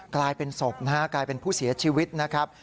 กลายเป็นศพนะฮะกลายเป็นผู้เสียชีวิตนะครับ